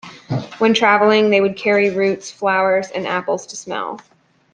When traveling, they would carry roots, flowers and apples to smell.